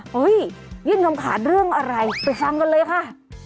ยื่นคำขาดเรื่องอะไรไปฟังกันเลยค่ะ